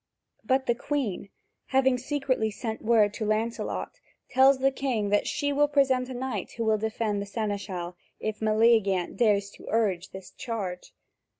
But the Queen, having secretly sent word to Lancelot, tells the king that she will present a knight who will defend the seneschal, if Meleagant dares to urge this charge.